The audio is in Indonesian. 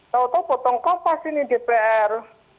tau tau potong kopas ini di pr